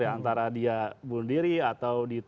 ya antara dia bunuh diri atau